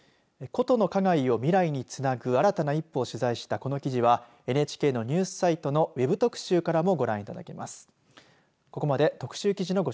古都の花街を読み取り未来につなぐ新たな一歩を取材したこの記事はＮＨＫのニュースサイトのＷＥＢ特集からもご覧いただけます。